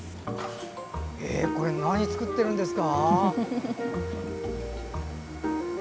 これ何を作ってるんですか。